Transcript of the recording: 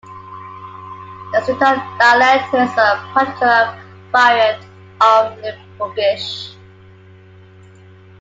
The Sittard dialect is a particular variant of Limburgish.